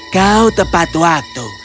kau tepat waktu